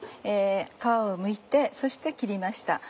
皮をむいてそして切りました。